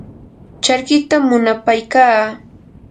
charkita munapaykaa.